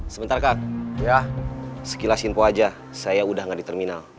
saya sudah enggak di terminal